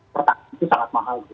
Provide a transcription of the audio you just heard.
pertahanan itu sangat mahal